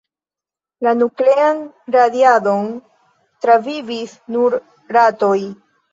La nuklean radiadon travivis nur ratoj.